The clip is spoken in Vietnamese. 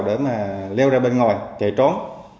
để mà leo ra bên ngoài chạy trốn